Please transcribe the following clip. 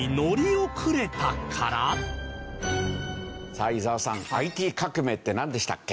さあ伊沢さんＩＴ革命ってなんでしたっけ？